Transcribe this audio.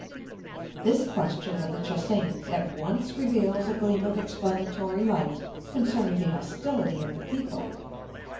This question of the Che hsein's at once reveals a gleam of explanatory light concerning the hostility of the people.